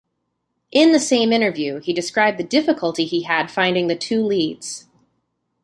In the same interview, he described the difficulty he had finding the two leads.